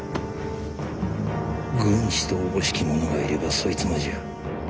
軍師とおぼしき者がいればそいつもじゃ。